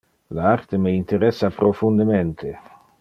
Le arte me interessa profundemente.